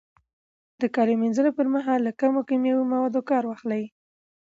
د کالو مینځلو پر مهال له کمو کیمیاوي موادو کار واخلئ.